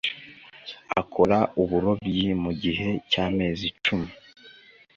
akora uburobyi mu gihe cy amezi cumi